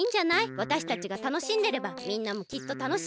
わたしたちがたのしんでればみんなもきっとたのしいよ。